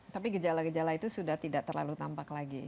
tapi gejala gejala itu sudah tidak terlalu tampak lagi